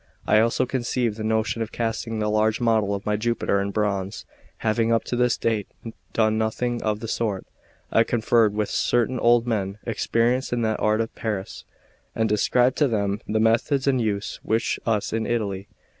I also conceived the notion of casting the large model of my Jupiter in bronze. Having up to this date done nothing of the sort, I conferred with certain old men experienced in that art at Paris, and described to them the methods in use with us in Italy.